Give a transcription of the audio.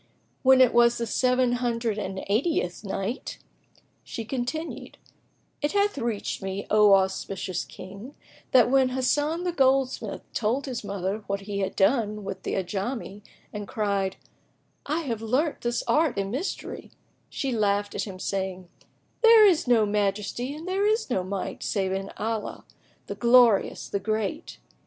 When it was the Seven Hundred and Eightieth Night, She continued, It hath reached me, O auspicious King, that when Hasan the goldsmith told his mother what he had done with the Ajami and cried, "I have learnt this art and mystery," she laughed at him, saying, "There is no Majesty and there is no Might save in Allah, the Glorious, the Great!"